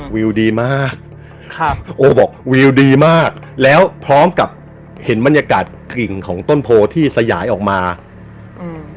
วิวดีมากครับโอบอกวิวดีมากแล้วพร้อมกับเห็นบรรยากาศกลิ่งของต้นโพที่สยายออกมาอืม